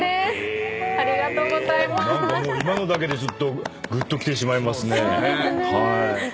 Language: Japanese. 何か今のだけでちょっとぐっときてしまいますね。